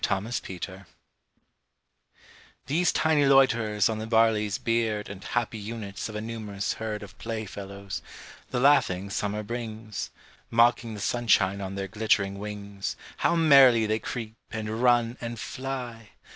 Insects These tiny loiterers on the barley's beard, And happy units of a numerous herd Of playfellows, the laughing Summer brings, Mocking the sunshine in their glittering wings, How merrily they creep, and run, and fly!